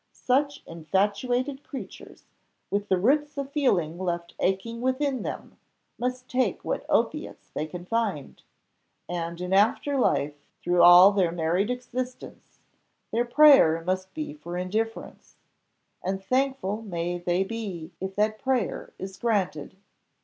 Such infatuated creatures, with the roots of feeling left aching within them, must take what opiates they can find; and in after life, through all their married existence, their prayer must be for indifference, and thankful may they be if that prayer is granted."